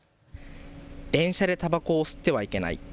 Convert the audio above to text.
電車でたばこを吸ってはいけない。